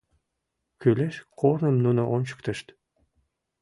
Кӱлеш корным нуно ончыктышт.